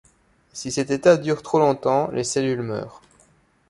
Si cet état dure trop longtemps, les cellules meurent.